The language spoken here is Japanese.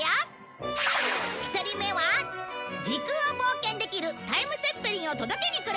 １人目は時空を冒険できるタイムツェッペリンを届けに来る